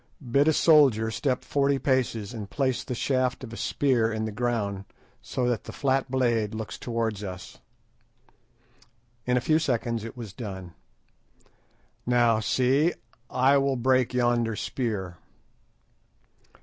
Bid a soldier step forty paces and place the shaft of a spear in the ground so that the flat blade looks towards us." In a few seconds it was done. "Now, see, I will break yonder spear."